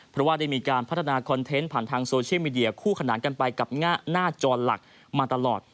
เพราะว่าได้มีการพัฒนาคอนเทนต์ผ่านทางโซเชียลมีเดียคู่ขนานกันไปกับหน้าจอหลักมาตลอด